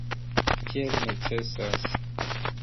Tiel necesas.